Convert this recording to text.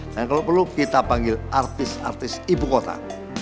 dan kalau perlu kita panggil artis artis ibu kota